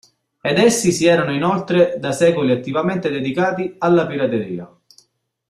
Ed essi stessi si erano inoltre da secoli attivamente dedicati alla pirateria.